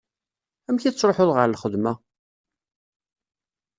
Amek i tettruḥuḍ ɣer lxedma?